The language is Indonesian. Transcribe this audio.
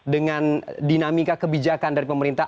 dengan dinamika kebijakan dari pemerintah